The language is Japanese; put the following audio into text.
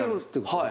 はい。